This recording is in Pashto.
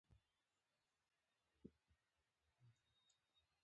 د کوکنارو پوټکی د درد د ارام لپاره وکاروئ